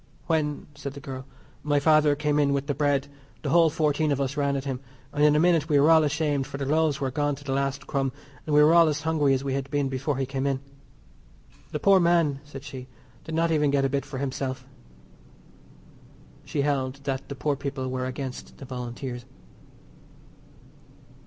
"When," said the girl, "my father came in with the bread the whole fourteen of us ran at him, and in a minute we were all ashamed for the loaves were gone to the last crumb, and we were all as hungry as we had been before he came in. The poor man," said she, "did not even get a bit for himself." She held that the poor people were against the Volunteers.